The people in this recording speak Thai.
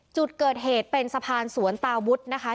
จุดเกิดเหตุเป็นสะพานสวนตาวุฒินะคะ